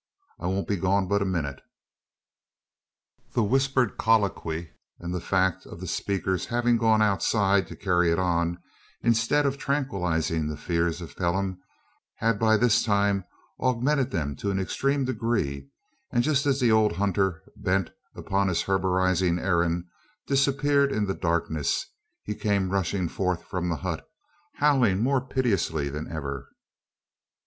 I won't be gone but a minute." The whispered colloquy, and the fact of the speakers having gone outside to carry it on, instead of tranquillising the fears of Phelim, had by this time augmented them to an extreme degree: and just as the old hunter, bent upon his herborising errand, disappeared in the darkness, he came rushing forth from the hut, howling more piteously than ever.